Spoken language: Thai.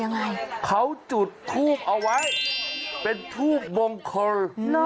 ยังไงเขาจุดทูบเอาไว้เป็นทูบมงคล